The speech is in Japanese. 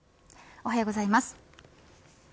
おはようございます。